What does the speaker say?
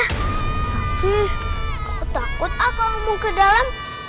tapi aku takut ah kalo mau ke dalam